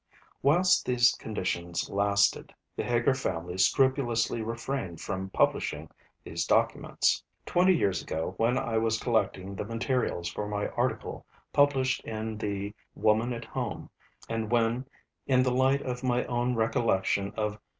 Whilst these conditions lasted, the Heger family scrupulously refrained from publishing these documents. Twenty years ago, when I was collecting the materials for my article published in the Woman at Home, and when, in the light of my own recollection of M.